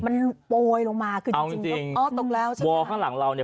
มันโปรยลงมาเอาจริงอ๋อตกแล้ววอลข้างหลังเราเนี่ย